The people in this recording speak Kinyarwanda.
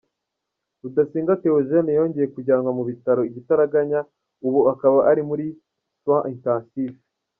Rudasingwa Theogene yongeye kujyanwa mu bitaro igitaraganya, ubu akaba ari muri soins intensif.